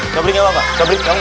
sobri kenapa kamu ambient apik